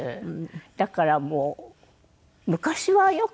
だからもう昔はよく。